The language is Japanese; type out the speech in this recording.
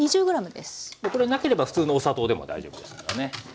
これなければ普通のお砂糖でも大丈夫ですからね。